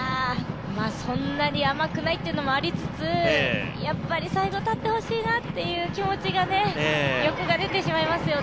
そんなに甘くないっていうのもありつつやっぱり最後、立ってほしいなという気持ちがありますね。